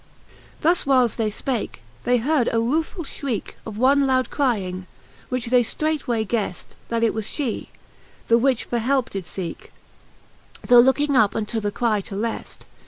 XVIL Thus whiles they fpake, they heard a ruefull fhrieke Of one loud crying, which they ftreight way gheft,. That it was fhe, the which for helpe did feeke. Tho looking up unto the cry to left.